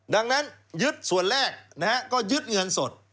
ดังนั้นยึดส่วนแรกก็ยึดเงินสด